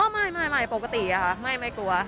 ไม่ไม่ปกตินะคะไม่ไม่กลัว